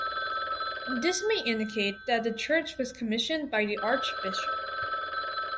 This may indicate that the church was commissioned by the archbishop.